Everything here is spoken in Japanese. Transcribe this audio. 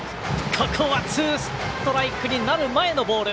ここはツーストライクになる前のボール。